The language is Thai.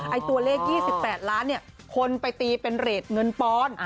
ตัวเลข๒๘ล้านเนี่ยคนไปตีเป็นเรทเงินปอนด์